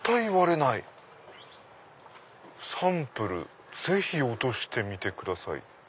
「サンプル是非落としてみてください」。